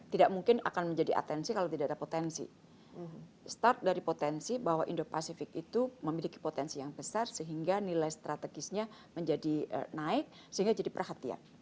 tidak mungkin akan menjadi atensi kalau tidak ada potensi start dari potensi bahwa indo pasifik itu memiliki potensi yang besar sehingga nilai strategisnya menjadi naik sehingga jadi perhatian